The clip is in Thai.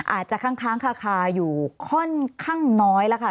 อาจจะค้างคาอยู่ค่อนข้างน้อยแล้วค่ะ